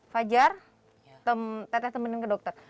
fajar tetap temanin ke dokter